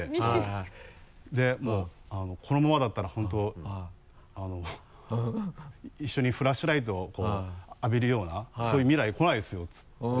でもう「このままだったら本当一緒にフラッシュライトをこう浴びるようなそういう未来こないですよ」って言って。